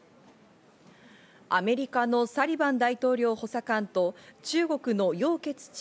アメリカのサリバン大統領補佐官と中国のヨウ・ケツチ